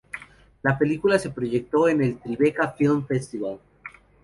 La película se proyectó en el Tribeca Film Festival.